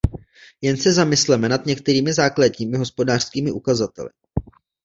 Jen se zamysleme nad některými základními hospodářskými ukazateli.